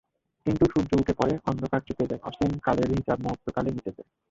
কিন্তু সূর্য উঠে পড়ে, অন্ধকার চুকে যায়, অসীম কালের হিসাব মুহূর্তকালে মেটে।